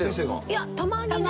いやたまにね。